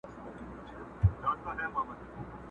له هغه خو مي زړگی قلم قلم دئ!.